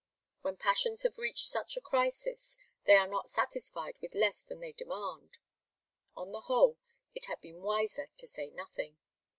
When passions have reached such a crisis, they are not satisfied with less than they demand. On the whole, it had been wiser to say nothing.